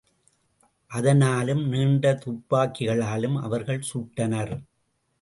அதனாலும் நீண்ட துப்பக்கிகளாலும் அவர்கள் சுட்டனர்.